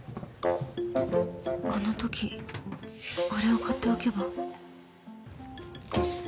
あのときあれを買っておけば